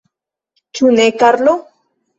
Ĉu ne, Karlo?